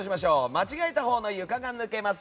間違えたほうの床が抜けます。